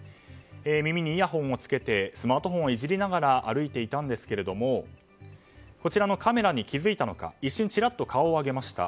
耳にイヤホンを着けてスマートフォンをいじりながら歩いていたんですがこちらのカメラに気付いたのか一瞬、チラッと顔を上げました。